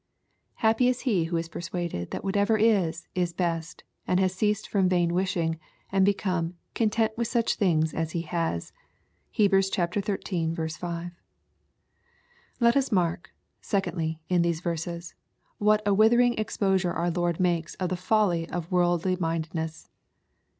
Happy is he who is persuaded that whatever is is best, and has ceased from vain wishing, and become " content with such things as he has." (Hebrews xiii. 5.) Let us mark, secondly, in these verses, what a withei^ ing exposure our Lord makes of the folly of worldly mindedness.